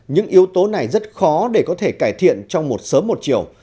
những yếu tố này rất khó để có thể cải thiện trong một sớm một chiều